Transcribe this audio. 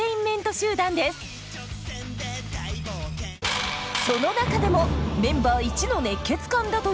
その中でもメンバーいちの熱血漢だという本さん。